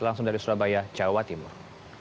langsung dari surabaya jawa timur